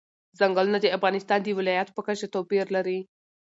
ځنګلونه د افغانستان د ولایاتو په کچه توپیر لري.